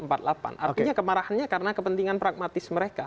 artinya kemarahannya karena kepentingan pragmatis mereka